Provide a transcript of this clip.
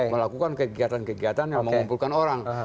melakukan kegiatan kegiatan yang mengumpulkan orang